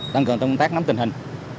tăng cường tâm tác nắm tình hình